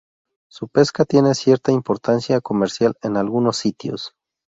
Su pesca tiene cierta importancia comercial en algunos sitios.